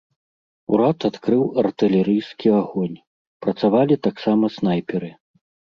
Урад адкрыў артылерыйскі агонь, працавалі таксама снайперы.